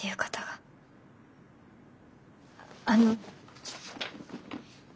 あの。